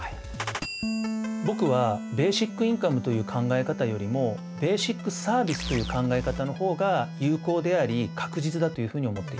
僕はベーシックインカムという考え方よりもベーシックサービスという考え方の方が有効であり確実だというふうに思っています。